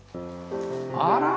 あら。